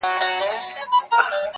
له مرګي یې وو اوزګړی وېرولی -